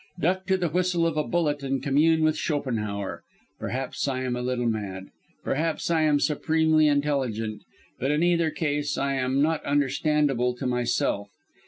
Duck to the whistle of a bullet and commune with Schopenhauer. Perhaps I am a little mad. Perhaps I am supremely intelligent. But in either case I am not understandable to myself.